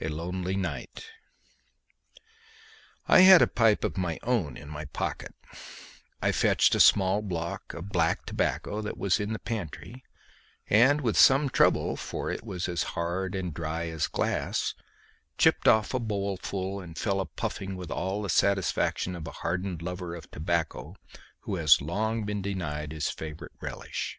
A LONELY NIGHT I had a pipe of my own in my pocket; I fetched a small block of the black tobacco that was in the pantry, and, with some trouble, for it was as hard and dry as glass, chipped off a bowlful and fell a puffing with all the satisfaction of a hardened lover of tobacco who has long been denied his favourite relish.